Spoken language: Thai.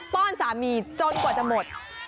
้อนสามีจนกว่าจะหมด